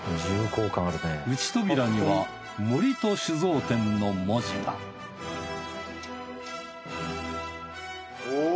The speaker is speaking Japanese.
内扉には森戸酒造店の文字がおお！